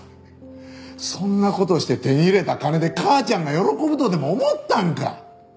そんな事して手に入れた金で母ちゃんが喜ぶとでも思ったんか？